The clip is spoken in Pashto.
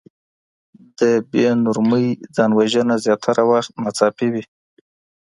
د بې نورمۍ ځان وژنه زياتره وخت ناڅاپي وي.